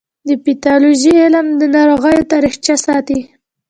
د پیتالوژي علم د ناروغیو تاریخچه ساتي.